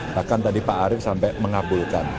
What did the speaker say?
bahkan tadi pak arief sampai mengabulkan